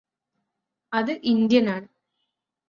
അത് ഇന്ത്യനാണ്